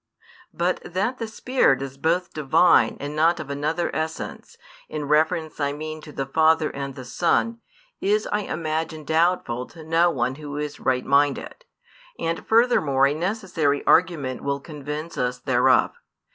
But that the Spirit is both Divine and not of another essence, in reference I mean to the Father and the Son, is I imagine doubtful to no one who is right minded; and furthermore a necessary argument will convince us thereof.